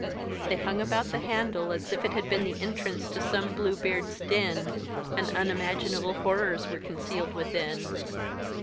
They hung about the handle as if it had been the entrance to some Bluebeard's den, and unimaginable horrors were concealed within.